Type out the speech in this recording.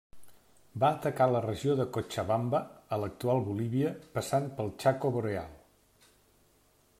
Va atacar la regió de Cochabamba, a l'actual Bolívia, passant pel Chaco Boreal.